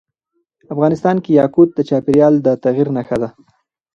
افغانستان کې یاقوت د چاپېریال د تغیر نښه ده.